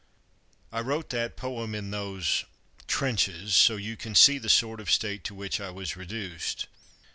I wrote that "poem" in those trenches, so you can see the sort of state to which I was reduced.